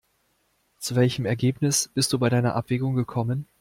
Zu welchem Ergebnis bist du bei deiner Abwägung gekommen?